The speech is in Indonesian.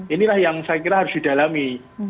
inilah yang saya kira harus didalami